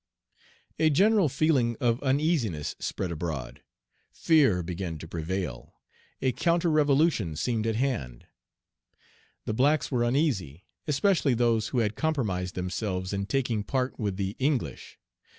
A general feeling of uneasiness spread abroad. Fear began to prevail. A counter revolution seemed at hand. The blacks were uneasy, especially those who had compromised themselves in taking part with the English.